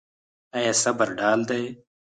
آیا صبر ډال دی؟